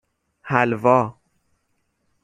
حلوا